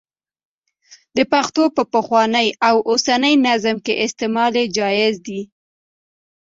د پښتو په پخواني او اوسني نظم کې استعمال یې جائز دی.